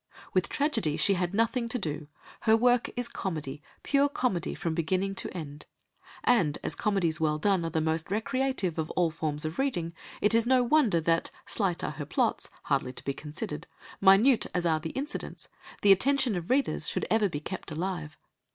With tragedy she had nothing to do; her work is comedy, pure comedy from beginning to end. And as comedies well done are the most recreative of all forms of reading, it is no wonder that, slight as are her plots, hardly to be considered, minute as are the incidents, the attention of readers should ever be kept alive.